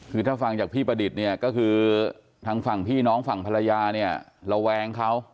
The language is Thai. คือถ้าฟังจากพี่ประดิษฐ์เนี่ยก็คือทางฝั่งพี่น้องฝั่งภรรยาเนี่ยระแวงเขา